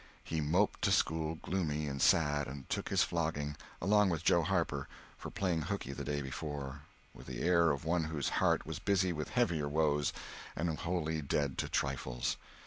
He moped to school gloomy and sad, and took his flogging, along with Joe Harper, for playing hookey the day before, with the air of one whose heart was busy with heavier woes and wholly dead to trifles.